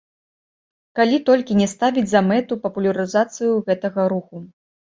Калі толькі не ставіць за мэту папулярызацыю гэтага руху.